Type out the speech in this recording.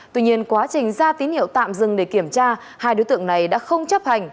tuy nhiên quá trình ra tín hiệu tạm dừng để kiểm tra hai đối tượng này đã không chấp hành